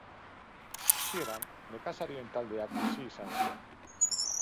Hasieran nekazarien taldeak bizi izan ziren.